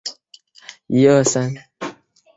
汾州一直属于河东节度使。